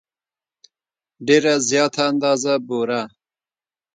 ډېره زیاته اندازه بوره.